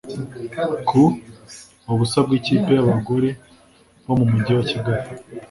kuubusa bw’ikipe y’abagore bo mu mujyi wa kigali